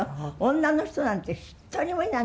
女の人なんて一人もいないの。